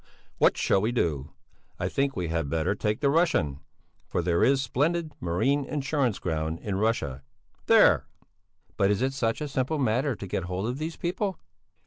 What shall we do? I think we had better take the Russian, for there is splendid marine insurance ground in Russia.... There!" "But is it such a simple matter to get hold of these people?"